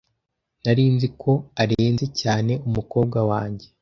Nari nzi ko arenze cyane umukobwa wanjye.